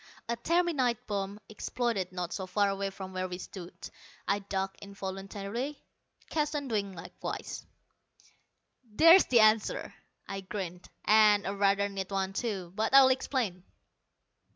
A terminite bomb exploded not so far away from where we stood. I ducked involuntarily, Keston doing likewise. "There's the answer," I grinned, "and a rather neat one, too. But I'll explain."